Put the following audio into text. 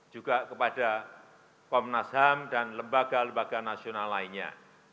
juga kepada komnas ham dan lembaga lembaga nasional lainnya